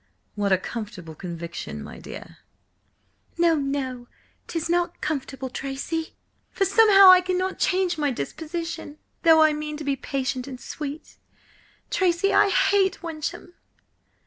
"What a comfortable conviction, my dear!" "No, no! 'Tis not comfortable, Tracy! For somehow I cannot change my disposition, though I mean to be patient and sweet. Tracy, I hate Wyncham!"